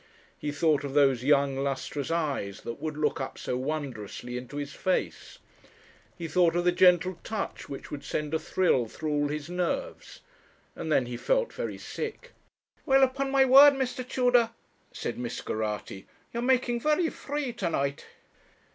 He thought of those young lustrous eyes that would look up so wondrously into his face; he thought of the gentle touch, which would send a thrill through all his nerves; and then he felt very sick. 'Well, upon my word, Mr. Tudor,' said Miss Geraghty, 'you're making very free to night.'